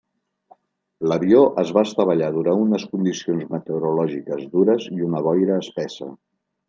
L'avió es va estavellar durant unes condicions meteorològiques dures i una boira espessa.